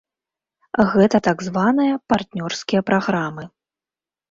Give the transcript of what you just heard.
Гэта так званыя партнёрскія праграмы.